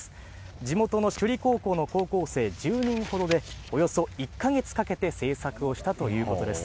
地元のしゅり高校の高校生１０人ほどで、およそ１か月かけて製作をしたということです。